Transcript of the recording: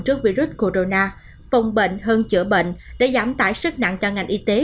trước virus corona phòng bệnh hơn chữa bệnh đã giảm tải sức nặng cho ngành y tế